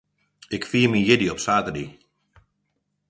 Ik fier myn jierdei op saterdei.